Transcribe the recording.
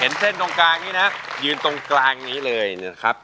เส้นตรงกลางนี้นะยืนตรงกลางนี้เลยนะครับ